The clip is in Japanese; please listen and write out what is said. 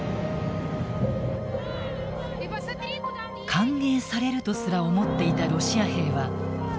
歓迎されるとすら思っていたロシア兵は戸惑いました。